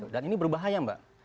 dan ini berbahaya mbak